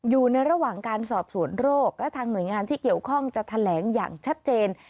อยู่ในระหว่างการสอบสวนโรคและทางหน่วยงานที่เกี่ยวข้องจะแถลงอย่างชัดเจน